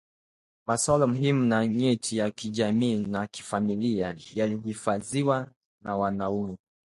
Maswala muhimu na nyeti ya kijamii na kifamilia yalihifadhiwa na wanaume